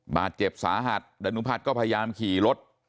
บาดเจ็บสาหัสดานุพัฒน์ก็พยายามขี่รถ